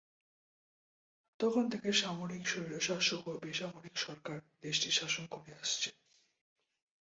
তখন থেকে সামরিক স্বৈরশাসক ও বেসামরিক সরকার দেশটি শাসন করে আসছে।